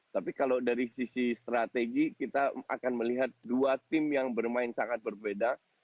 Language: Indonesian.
tapi kalau dari sisi strategi kita akan melihat dua tim yang bermain sangat berbeda